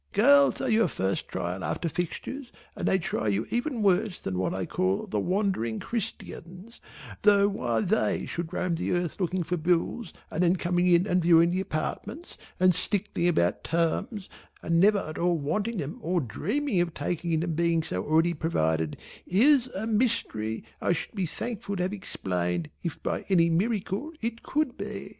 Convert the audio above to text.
Girls are your first trial after fixtures and they try you even worse than what I call the Wandering Christians, though why they should roam the earth looking for bills and then coming in and viewing the apartments and stickling about terms and never at all wanting them or dreaming of taking them being already provided, is, a mystery I should be thankful to have explained if by any miracle it could be.